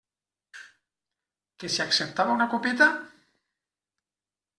Que si acceptava una copeta?